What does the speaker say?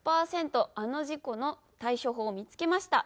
あの事故の対処法見つけました！」。